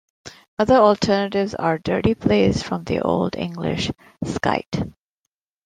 Other alternatives are 'dirty place', from the old English "scite".